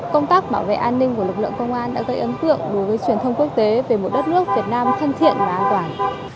công tác bảo vệ an ninh của lực lượng công an đã gây ấn tượng đối với truyền thông quốc tế về một đất nước việt nam thân thiện và an toàn